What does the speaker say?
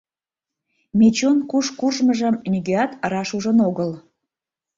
Мичун куш куржмыжым нигӧат раш ужын огыл.